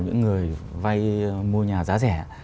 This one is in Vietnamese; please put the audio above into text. những người vay mua nhà giá rẻ